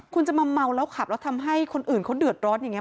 คุณจะมาเมาแล้วขับแล้วทำให้คนอื่นเขาเดือดร้อนอย่างนี้